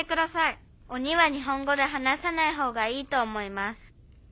「鬼は日本語で話さない方がいいと思います」。